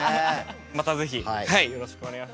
また是非よろしくお願いします。